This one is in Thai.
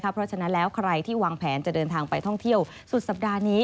เพราะฉะนั้นแล้วใครที่วางแผนจะเดินทางไปท่องเที่ยวสุดสัปดาห์นี้